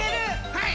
はい！